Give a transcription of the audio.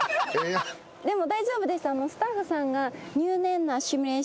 でも大丈夫です。